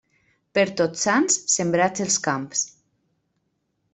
Per Tots Sants, sembrats els camps.